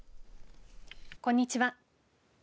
こんにちは。